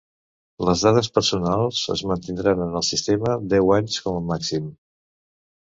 Les dades personals es mantindran en el sistema deu anys, com a màxim.